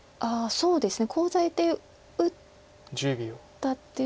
そうですね